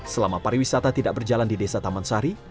selama pariwisata tidak berjalan di desa taman sari